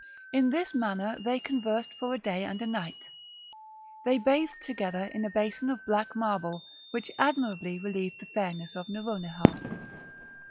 In this manner they conversed for a day and a night; they bathed together in a basin of black marble, which admirably relieved the fairness of Nouronihar.